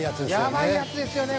やばいやつですよね